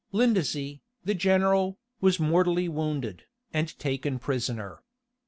Lindesey, the general, was mortally wounded, and taken prisoner.